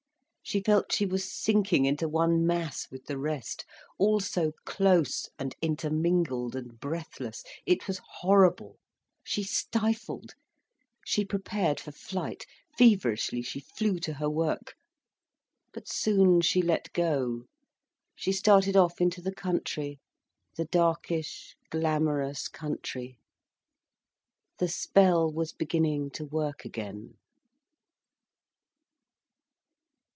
She felt she was sinking into one mass with the rest—all so close and intermingled and breathless. It was horrible. She stifled. She prepared for flight, feverishly she flew to her work. But soon she let go. She started off into the country—the darkish, glamorous country. The spell was beginning to work again.